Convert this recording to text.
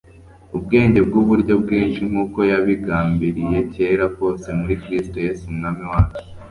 ubwenge bw'uburyo bwinshi nk'uko yabigambiriye kera kose muri Kristo Yesu Umwami wacu."